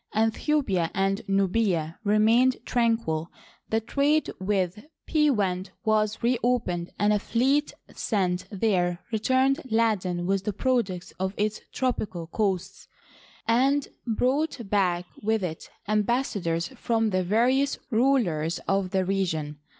Aethiopia and Nubia remained tranquil. The trade with Pewent was reopened, a fleet sent there returned laden with the products of its tropical coasts, and brought back with it ambassadors from the various rulers of the region.